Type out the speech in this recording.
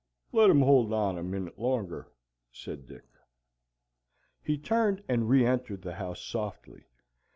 "Let 'em hold on a minit longer," said Dick. He turned and re entered the house softly.